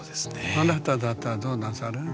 あなただったらどうなさる？